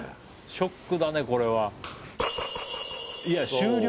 ショックだねこれは。いや終了？